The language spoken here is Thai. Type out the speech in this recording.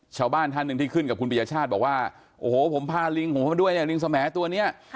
ชาวบ้านท่านหนึ่งที่ขึ้นกับคุณปียชาติบอกว่าโอ้โหผมพาลิงผมมาด้วยเนี่ยลิงสแหมดตัวเนี่ย